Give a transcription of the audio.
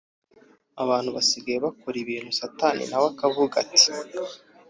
Abantu basigaye bakora ibintu Satani nawe akavuga ati